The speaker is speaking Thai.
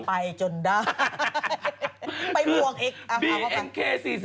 ไปจนได้